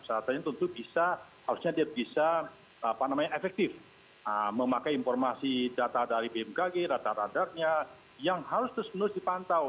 syaratannya tentu bisa harusnya dia bisa apa namanya efektif memakai informasi data dari bmkg data data data nya yang harus terus terus dipantau